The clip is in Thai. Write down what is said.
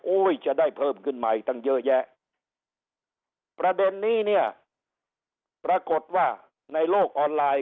จะได้เพิ่มขึ้นใหม่ตั้งเยอะแยะประเด็นนี้เนี่ยปรากฏว่าในโลกออนไลน์